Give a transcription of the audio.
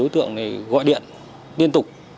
đối tượng gọi điện liên tục